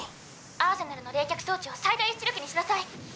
アーセナルの冷却装置を最大出力にしなさい。